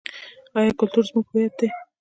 آیا کلتور زموږ هویت دی؟